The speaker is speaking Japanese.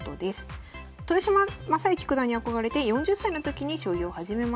「豊島将之九段に憧れて４０歳の時に将棋を始めました。